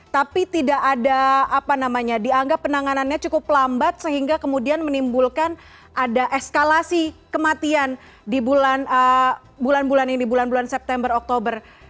tapi tidak ada apa namanya dianggap penanganannya cukup lambat sehingga kemudian menimbulkan ada eskalasi kematian di bulan bulan ini bulan bulan september oktober